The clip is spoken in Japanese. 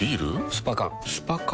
スパ缶スパ缶？